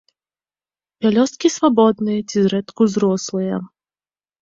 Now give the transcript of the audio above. Пялёсткі свабодныя ці зрэдку зрослыя.